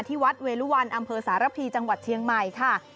ที่วัดเวรุวันอำเภอสารพีจังหวัดเชียงใหม่ค่ะ